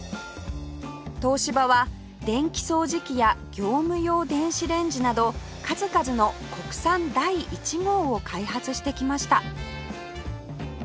東芝は電気掃除機や業務用電子レンジなど数々の国産第一号を開発してきました